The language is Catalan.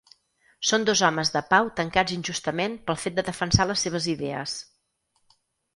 Són dos homes de pau tancats injustament pel fet de defensar les seves idees.